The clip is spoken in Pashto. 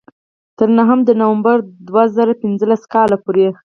تر نهم د نومبر دوه زره پینځلس کال پورې.